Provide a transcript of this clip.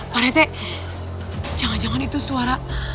pak rete jangan jangan itu suara